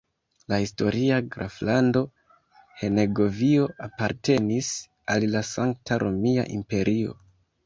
La historia graflando Henegovio apartenis al la Sankta Romia Imperio.